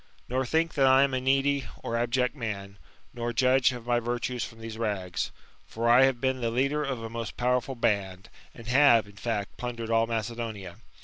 Nor think that I am a needy or abject man, nor judge of my virtues Irom these rags. For I have been the leader of a most powerful band, and have, in finct, plundered all Macedonia.